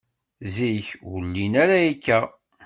Zik, ur llin ara akka.